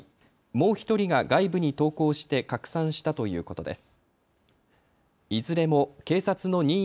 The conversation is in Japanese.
もう１人が外部に投稿して拡散したということです。